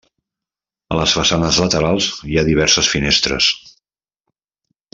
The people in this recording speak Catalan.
A les façanes laterals hi ha diverses finestres.